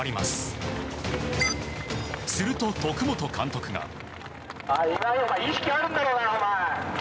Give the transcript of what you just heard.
すると、徳本監督が。